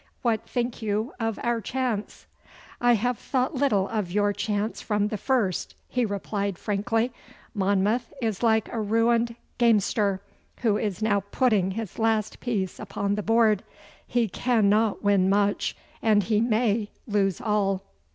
What think you of our chance?' 'I have thought little of your chance from the first,' he replied frankly. 'Monmouth is like a ruined gamester, who is now putting his last piece upon the board. He cannot win much, and he may lose all.